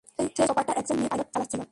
সেই চপারটা একজন মেয়ে পাইলট চালাচ্ছিল।